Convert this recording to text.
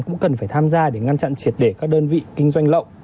cũng cần phải tham gia để ngăn chặn triệt để các đơn vị kinh doanh lậu